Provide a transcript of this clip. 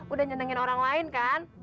udah nyenengin orang lain kan